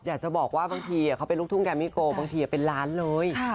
อยากจะบอกว่าบางทีเขาเป็นลูกทุ่งแกรมมี่โกบางทีเป็นล้านเลย